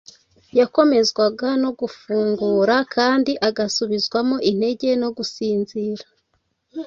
Yakomezwaga no gufungura kandi agasubizwamo intege no gusinzira.